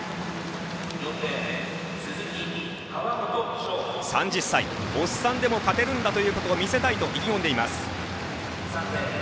川元奨、３０歳おっさんでも勝てるんだと見せたいと意気込んでいます。